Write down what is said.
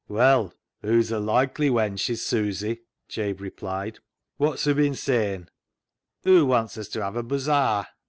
" Well, hoo's a loikely wench is Susy," Jabe replied. " Wot's hoo been sayin' ?"" Hoo wants us to have a buzaar."